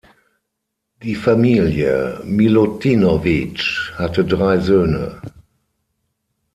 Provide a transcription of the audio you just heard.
Die Familie Milutinović hatte drei Söhne.